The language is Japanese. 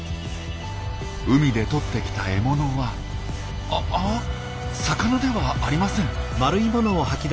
海でとってきた獲物はあっ魚ではありません。